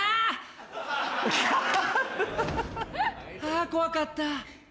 あ怖かった。